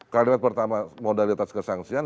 kalimat pertama modalitas kesangsian